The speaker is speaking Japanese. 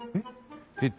えっ？